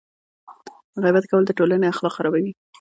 غیبت کول د ټولنې اخلاق خرابوي.